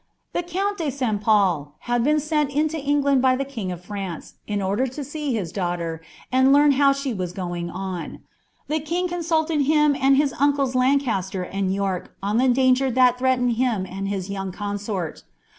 •' I'he count de St. Pol had been sent into England by the tafd France, in order to see his daughter, and learn how she was goin * The king consulied him and his ancles Idncastei and York on thi^tf* that threatened him and his young consort.